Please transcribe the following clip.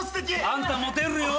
あんたモテるよ。